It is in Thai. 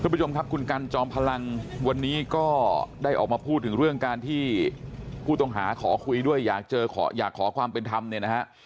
คุณผู้ชมครับคุณกันจอมพลังวันนี้ก็ได้ออกมาพูดถึงเรื่องการที่ผู้ต้องหาขอคุยด้วยอยากเจอขออยากขอความเป็นธรรมเนี่ยนะฮะ